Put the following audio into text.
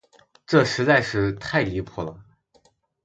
这实在是太离谱了。